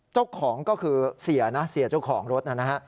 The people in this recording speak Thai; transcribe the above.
เจ้าของก็คือเสียนะเสียเจ้าของรถนะฮะ